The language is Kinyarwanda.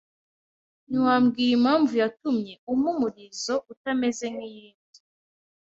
ntiwambwira impamvu yatumye umpa umulizo utameze nk'iyindi